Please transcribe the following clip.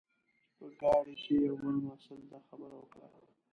چې په ګاډۍ کې یوه بل محصل دا خبره وکړه.